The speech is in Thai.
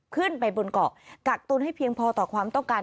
ขึ้นไปบนเกาะกักตุนให้เพียงพอต่อความต้องการ